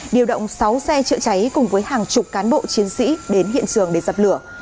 điều động sáu xe chữa cháy cùng với hàng chục cán bộ chiến sĩ đến hiện trường để dập lửa